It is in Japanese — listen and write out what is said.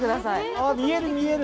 あ見える見える！